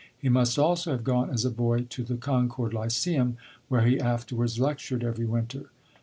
He must also have gone, as a boy, to the "Concord Lyceum," where he afterwards lectured every winter.